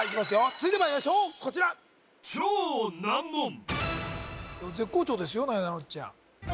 続いてまいりましょうこちら絶好調ですよなえなのちゃん